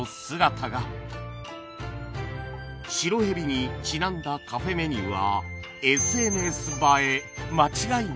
白蛇にちなんだカフェメニューは ＳＮＳ 映え間違いなし！